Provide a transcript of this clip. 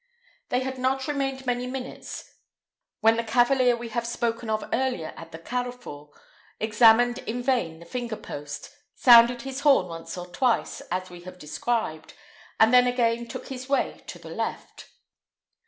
They had not remained many minutes when the cavalier we have spoken of appeared at the carrefour, examined in vain the finger post, sounded his horn once or twice, as we have described, and then again took his way to the left.